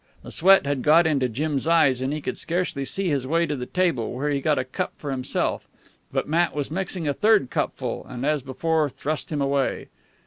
The sweat had got into Jim's eyes, and he could scarcely see his way to the table, where he got a cup for himself. But Matt was mixing a third cupful, and, as before, thrust him away.